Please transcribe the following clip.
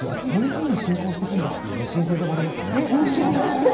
こういうふうに進行していくんだっていう新鮮さもありますね。